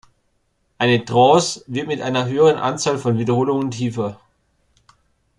Eine Trance wird mit einer höheren Anzahl von Wiederholungen tiefer.